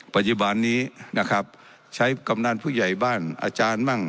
ปัจจุบันนี้นะครับใช้กำนันผู้ใหญ่บ้านอาจารย์มั่ง